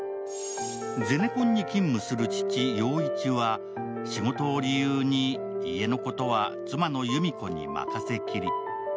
ゼネコンに勤務する父・陽一は仕事を理由に家のことは妻の裕実子に任せっきり。